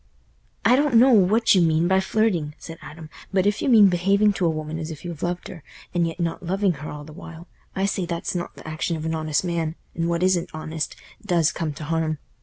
"I don't know what you mean by flirting," said Adam, "but if you mean behaving to a woman as if you loved her, and yet not loving her all the while, I say that's not th' action of an honest man, and what isn't honest does come t' harm.